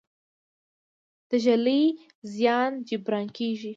د ږلۍ د زیان جبران کیږي؟